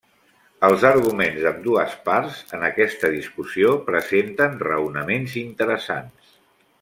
Els arguments d'ambdues parts en aquesta discussió presenten raonaments interessants.